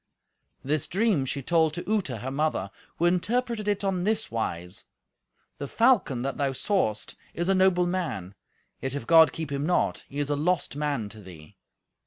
This dream she told to Uta, her mother, who interpreted it on this wise. "The falcon that thou sawest is a noble man; yet if God keep him not, he is a lost man to thee."